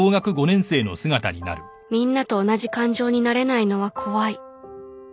みんなと同じ感情になれないのは怖い